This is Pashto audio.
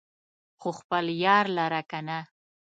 خو خپل يار لره کنه